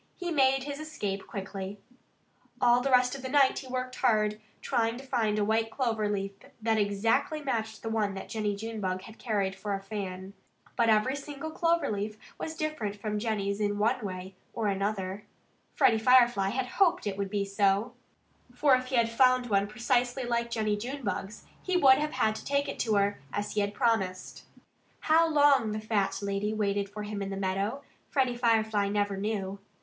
he made his escape quickly. All the rest of the night he worked hard, trying to find a white clover leaf that exactly matched the one that Jennie Junebug had carried for a fan. But every single clover leaf was different from Jennie's in one way or another. Freddie Firefly had hoped that it would be so. For if he had found one precisely like Jennie Junebug's, he would have had to take it to her, as he had promised. How long the fat lady waited for him in the meadow, Freddie Firefly never knew.